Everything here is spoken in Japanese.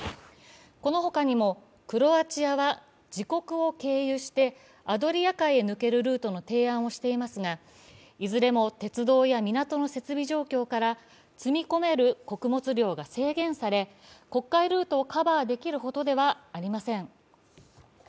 この他にも、クロアチアは自国を経由してアドリア海へ抜けるルートの提案をしていますが、いずれも鉄道や港の設備状況から積み込める穀物量が制限され、黒海ルートをカバーできるほどではありません。